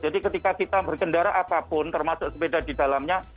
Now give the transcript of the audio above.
jadi ketika kita berkendara apapun termasuk sepeda di dalamnya